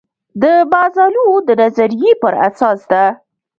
د مازلو د نظریې پر اساس ده.